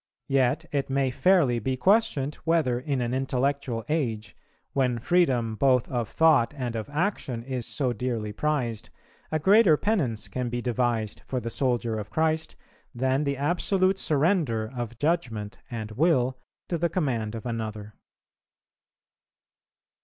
Yet it may fairly be questioned, whether, in an intellectual age, when freedom both of thought and of action is so dearly prized, a greater penance can be devised for the soldier of Christ than the absolute surrender of judgment and will to the command of another.